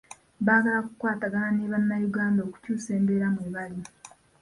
Baagala kukwatagana ne bannayuganda okukyusa embeera mwe bali.